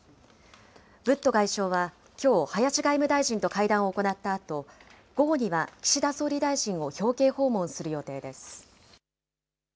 ブット外相はきょう、林外務大臣と会談を行ったあと、午後には岸田総理大臣を表敬訪問する予定です。